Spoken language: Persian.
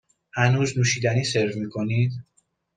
هنوز نوشیدنی سرو می کنید؟